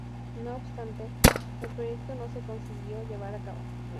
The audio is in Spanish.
No obstante, el proyecto no se consiguió llevar a cabo.